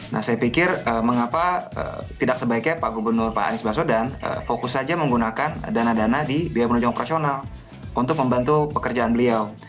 nah saya pikir mengapa tidak sebaiknya pak gubernur pak anies baswedan fokus saja menggunakan dana dana di biaya penunjang operasional untuk membantu pekerjaan beliau